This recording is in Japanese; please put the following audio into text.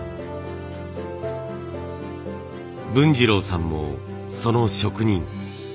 文次郎さんもその職人。